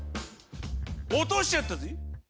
落としちゃったぜ。